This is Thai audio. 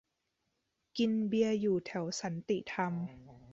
กินเบียร์อยู่แถวสันติธรรม